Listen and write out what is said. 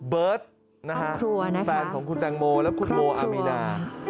เบิร์ทฟันของคุณแตงโมและคุณโมอามินา